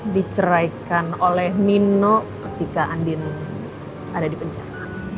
diceraikan oleh nino ketika andin ada di penjara